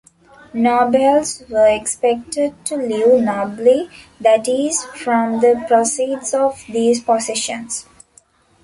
Nobles were expected to live "nobly", that is, from the proceeds of these possessions.